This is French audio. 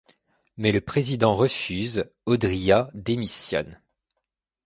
Mais le président refuse, Odría démissionne.